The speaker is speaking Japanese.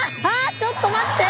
ちょっと待って。